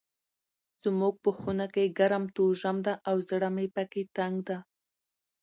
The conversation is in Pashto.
زموږ په خونه کې ګرم توژم ده او زړه مې پکي تنګ ده.